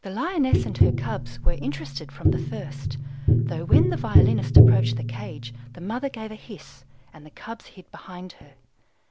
"The Lioness and her cubs were interested from the first, though when the violinist approached the cage the mother gave a hiss, and the cubs hid behind her.